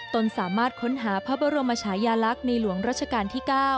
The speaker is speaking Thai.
ตนสามารถค้นหาพระบรมชายาลักษณ์ในหลวงรัชกาลที่๙